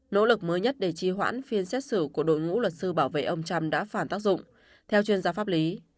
nỗ lực mới nhất để trí hoãn phiên xét xử của đội ngũ luật sư bảo vệ ông trump đã phản tác dụng theo chuyên gia pháp lý